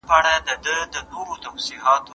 زه له سهاره د کور کالي مينځم.